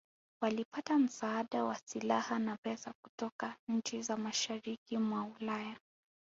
Walipata msaada wa silaha na pesa kutoka nchi za mashariki mwa Ulaya